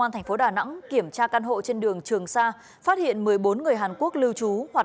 thành phố đà nẵng kiểm tra căn hộ trên đường trường sa phát hiện một mươi bốn người hàn quốc lưu trú hoạt